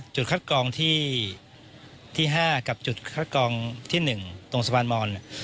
จุดคัดกรองที่๕กับจุดคัดกรองที่๑ตรงสะพานมอน